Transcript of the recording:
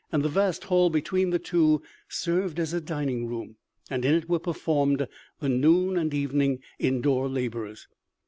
The vast hall between the two served as a dining room, and in it were performed the noon and evening in door labors.